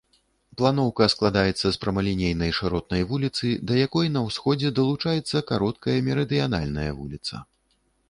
Планоўка складаецца з прамалінейнай шыротнай вуліцы, да якой на ўсходзе далучаецца кароткая мерыдыянальная вуліца.